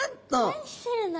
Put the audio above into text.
何してるの？